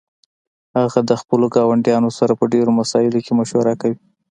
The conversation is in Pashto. هغه د خپلو ګاونډیانو سره په ډیرو مسائلو کې مشوره کوي